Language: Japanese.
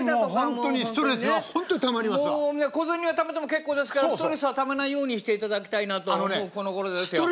もう小銭はためても結構ですからストレスはためないようにしていただきたいなと思うこのごろですよ。